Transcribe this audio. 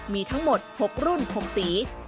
มีทั้งหมด๖รุ่น๖สี